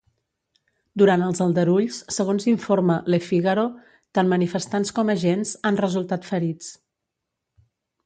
Durant els aldarulls, segons informa ‘Le Figaro’, tant manifestants com agents han resultat ferits.